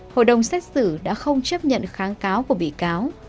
hội đồng xét xử đã không chấp nhận kháng cáo của bị cáo